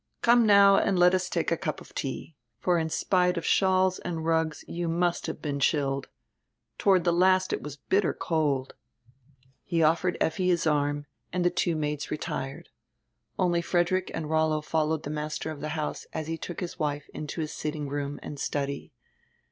Come now and let us take a cup of tea. For in spite of shawls and rugs you must have been chilled. Toward die last it was bitter cold." He offered Effi his arm and die two maids retired. Only Frederick and Rollo followed die master of die house as he took his wife into his sitting room and study.